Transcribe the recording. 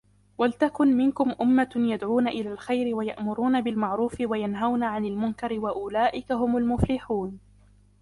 ولتكن منكم أمة يدعون إلى الخير ويأمرون بالمعروف وينهون عن المنكر وأولئك هم المفلحون